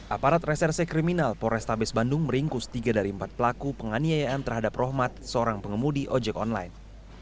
aparat reserse kriminal polrestabes bandung meringkus tiga dari empat pelaku penganiayaan terhadap rohmat seorang pengemudi ojek online